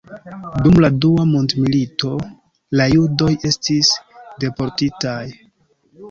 Dum la dua mondmilito la judoj estis deportitaj.